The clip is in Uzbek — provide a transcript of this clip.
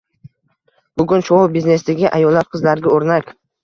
Bugun shou -biznesdagi ayollar qizlarga o'rnak